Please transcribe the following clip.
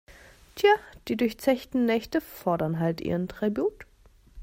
Tja, die durchzechten Nächte fordern halt ihren Tribut.